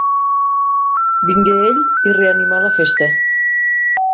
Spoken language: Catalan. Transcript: Vingué ell i reanimà la festa.